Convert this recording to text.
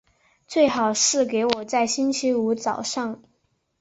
最好是给我在星期五早上